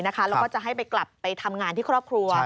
แล้วก็จะให้ไปกลับไปทำงานที่ครอบครัว